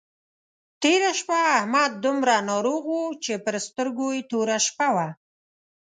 تېره شپه احمد دومره ناروغ وو چې پر سترګو يې توره شپه وه.